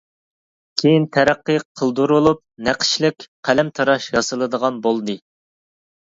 كېيىن تەرەققىي قىلدۇرۇلۇپ، نەقىشلىك قەلەمتىراش ياسىلىدىغان بولدى.